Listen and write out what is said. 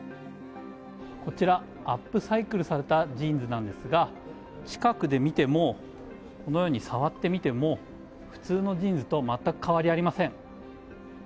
こちら、アップサイクルされたジーンズなんですが近くで見てもこのように触ってみても普通のジーンズとまったく変わりありません。